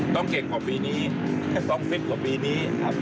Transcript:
ต้องเก่งกว่าปีนี้ต้องฟิตกว่าปีนี้ครับ